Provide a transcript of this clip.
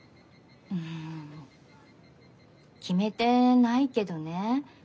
うん決めてないけどね。